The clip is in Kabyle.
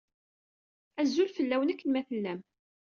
Azul fell-awen akken ma tellam!